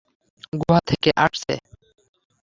গুহা থেকে আসছে।